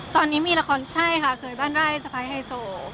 ตอนนี้มีละครใช่ค่ะเคยบ้านไร่สะพ้ายไฮโซ